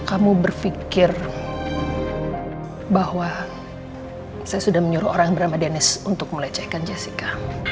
kamu berpikir bahwa saya sudah menyuruh orang bernama dennis untuk melecehkan jessica